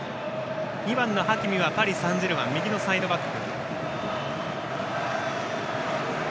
２番のハキミはパリサンジェルマン左のサイドバック。